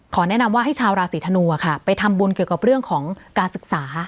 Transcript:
แนะนำว่าให้ชาวราศีธนูค่ะไปทำบุญเกี่ยวกับเรื่องของการศึกษา